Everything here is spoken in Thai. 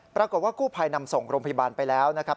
ปรากฏว่ากู้ภัยนำส่งโรงพยาบาลไปแล้วนะครับ